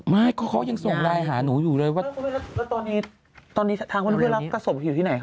ไม่เขายังส่งไลน์หาหนูอยู่เลยว่าตอนนี้ตอนนี้ทางพี่รัก